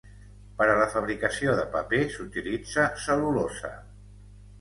Per a la fabricació de paper s'utilitza cel·lulosa.